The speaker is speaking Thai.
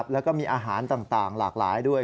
แล้วก็มีอาหารต่างหลากหลายด้วย